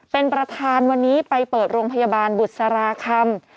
เป็นประธานวันนี้ไปเปิดโรงพยาบาลบุษราคำ